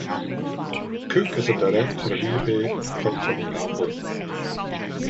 Cook is a director of eBay and Procter and Gamble.